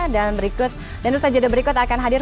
dan berikut dan usai jeda berikut akan hadir